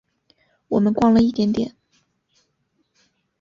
我们逛了一点点